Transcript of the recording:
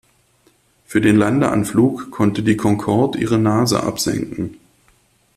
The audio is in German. Für den Landeanflug konnte die Concorde ihre Nase absenken.